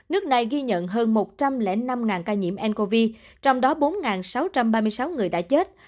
nước này ghi nhận hơn một trăm linh năm ca nhiễm ncov trong đó bốn sáu trăm ba mươi sáu người đã chết